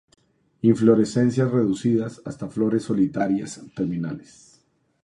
Inflorescencias reducidas, hasta flores solitarias, terminales.